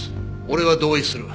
俺は同意する。